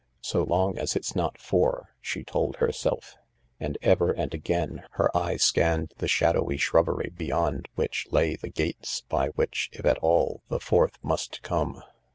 "So long as it's not four," she told herself, and ever and again her eye scanned the shadowy shrubbery beyond which lay the gates by which, if at all, the fourth must come.